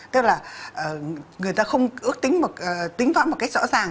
tức là người ta không ước tính tính tỏa một cách rõ ràng